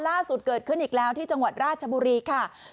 ล่าสุดเกิดขึ้นอีกแล้วที่จังหวัดราชบุรีค่ะ